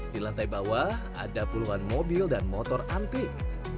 di lantai bawah ada puluhan mobil dan motor antik